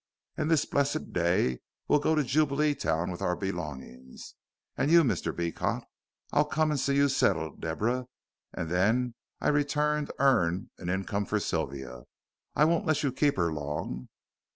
An' this blessed day we'll go to Jubileetown with our belongings. And you, Mr. Beecot?" "I'll come and see you settled, Deborah, and then I return to earn an income for Sylvia. I won't let you keep her long."